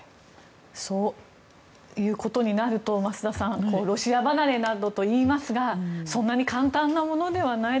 そういうことになると増田さん、ロシア離れなどといいますがそんな簡単なものではないと。